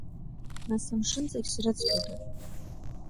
Нас амшын зегь зрыцқьода?!